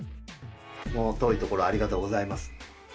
もう遠いところありがとうございます。